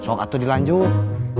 sok atuh dilanjut